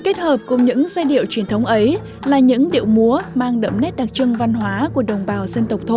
cách hợp cùng những giai điệu truyền thống ấy là những điệu múa mang đẫm nét đặc trưng văn hóa của đồng bào dân tộc thổ